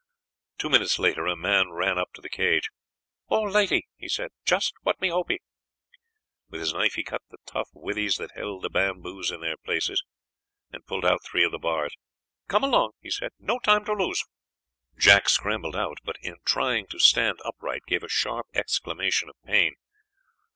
Two minutes later a man ran up to the cage. "All lightee," he said; "just what me hopee." With his knife he cut the tough withes that held the bamboos in their places, and pulled out three of the bars. "Come along," he said; "no time to lose." Jack scrambled out, but in trying to stand upright gave a sharp exclamation of pain.